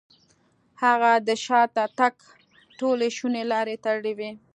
هغه د شاته تګ ټولې شونې لارې تړلې وې.